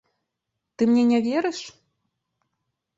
Ты мне не верыш?